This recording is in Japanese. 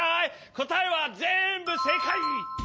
こたえはぜんぶせいかい！